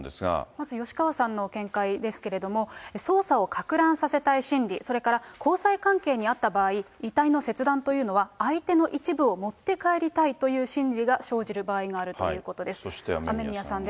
まず吉川さんの見解ですけれども、捜査をかく乱させたい心理、それから交際関係にあった場合、遺体の切断というのは、相手の一部を持って帰りたいという心理が生じる場合があるというそして雨宮さん。